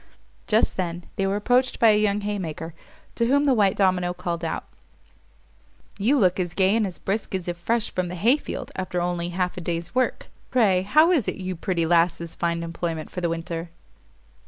Just then they were approached by a young haymaker, to whom the white domino called out, "You look as gay and as brisk as if fresh from the hay field after only half a day's work. Pray, how is it you pretty lasses find employment for the winter?"